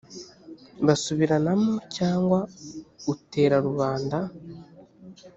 basubiranamo cyangwa utera rubanda